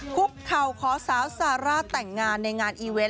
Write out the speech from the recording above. คุกเข่าขอสาวซาร่าแต่งงานในงานอีเวนต์